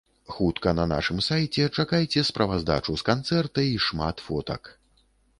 Хутка на нашым сайце чакайце справаздачу з канцэрта і шмат фотак!